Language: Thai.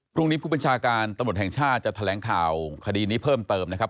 พรุ่งนี้ผู้บัญชาการตำรวจแห่งชาติจะแถลงข่าวคดีนี้เพิ่มเติมนะครับ